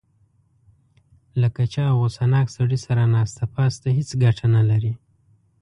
له کچه او غوسه ناک سړي سره ناسته پاسته هېڅ ګټه نه لري.